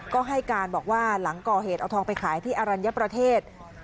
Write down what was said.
ก็ให้การบอกว่าหลังก่อเหตุเอาทองไปขายที่อรัญญประเทศ